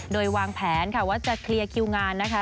โดยวางแผนค่ะว่าจะเคลียร์คิวงานนะคะ